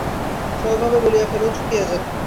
সরলভাবে বলিয়া ফেলো, চুকিয়া যাক।